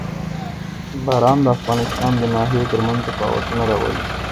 باران د افغانستان د ناحیو ترمنځ تفاوتونه راولي.